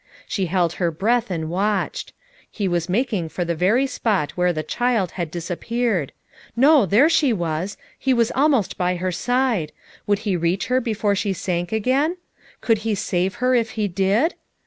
She held her breath and watched. He was making for the very spot where the child had disappeared; no, there she was I he was almost by her side! would he reach her before she sank again? Could he save her if he did?